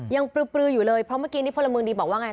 ปลืออยู่เลยเพราะเมื่อกี้นี้พลเมืองดีบอกว่าไง